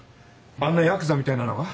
あんなヤクザみたいなのが？